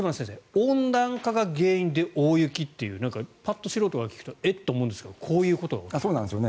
温暖化が原因で大雪というなんか、ぱっと素人が聞くとえ？と思うんですがこういうことなんですね。